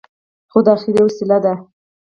خو دا اخري وسيله ده.